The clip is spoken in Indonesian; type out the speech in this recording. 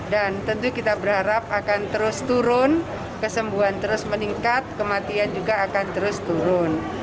dan tentu kita berharap akan terus turun kesembuhan terus meningkat kematian juga akan terus turun